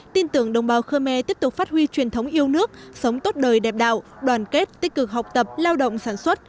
tin tưởng đồng bào khơ me tiếp tục phát huy truyền thống yêu nước sống tốt đời đẹp đạo đoàn kết tích cực học tập lao động sản xuất